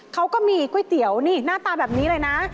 เขาก็มีก๋วยเตี๋ยวนี่หน้าตาแบบนี้เลยนะ